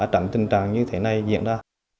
trảm tình trạng như thế này diễn ra